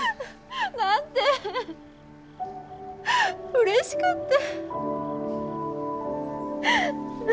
だって、うれしくって。